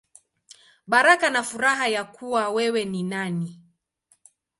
Baraka na Furaha Ya Kuwa Wewe Ni Nani.